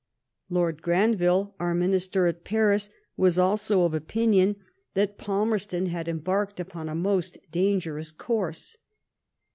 Lord Granville, our Minister at Paris, was also of opinion that Palmerston had embarked upon a most dangerous course.